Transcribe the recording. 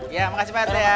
iya makasih pak teh ya